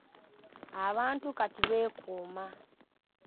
Abantu kati beekuuma